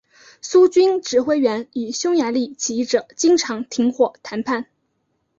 苏军指挥员与匈牙利起义者经常停火谈判。